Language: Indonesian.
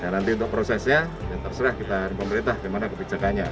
nanti untuk prosesnya ya terserah kita pemerintah bagaimana kebijakannya